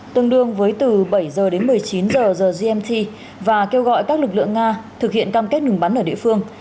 tương đương với từ bảy h đến một mươi chín giờ giờ gmt và kêu gọi các lực lượng nga thực hiện cam kết ngừng bắn ở địa phương